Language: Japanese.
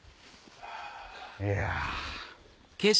いや！